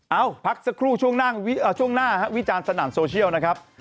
เอาพักสักครู่ช่วงหน้าวิจารณ์สนั่นโซเชียลนะครับ